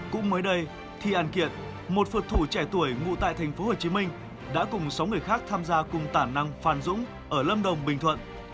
cũng mới đây thi an kiệt một phật thủ trẻ tuổi ngụ tại tp hcm đã cùng sáu người khác tham gia cùng tản năng phan dũng ở lâm đồng bình thuận